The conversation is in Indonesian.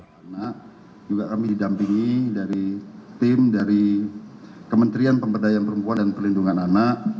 karena juga kami didampingi dari tim dari kementerian pemberdayaan perempuan dan perlindungan anak